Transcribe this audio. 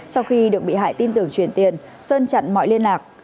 sau khi được bị hại tin tưởng chuyển tiền sơn chặn mọi liên lạc